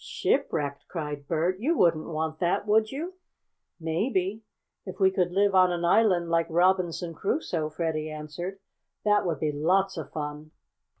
"Shipwrecked!" cried Bert. "You wouldn't want that, would you?" "Maybe. If we could live on an island like Robinson Crusoe," Freddie answered, "that would be lots of fun."